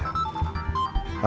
aku juga sayang sama rena